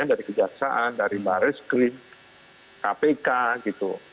dari kejaksaan dari baris krim kpk gitu